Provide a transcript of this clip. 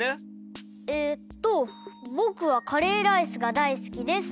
えっとぼくはカレーライスがだいすきです。